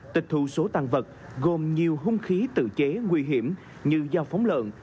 tịch thụ số tàn vật gồm nhiều hung khí tự chế nguy hiểm như dao phóng lợn